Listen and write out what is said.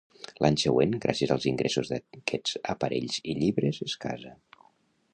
L'any següent, gràcies als ingressos d'aquests aparells i llibres, es casa.